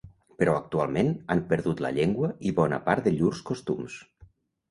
Però actualment han perdut la llengua i bona part de llurs costums.